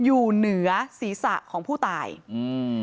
อยู่เหนือศีรษะของผู้ตายอืม